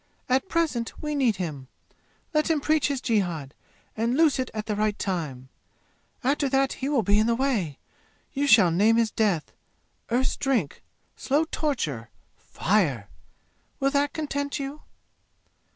"At present we need him. Let him preach his jihad, and loose it at the right time. After that he will be in the way! You shall name his death Earth's Drink slow torture fire! Will that content you?"